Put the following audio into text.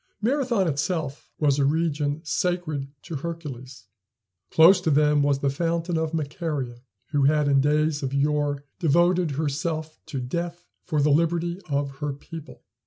Marathon itself was a region sacred to Hercules. Close to them was the fountain of Macaria, who had in days of yore devoted herself to death for the liberty of her people.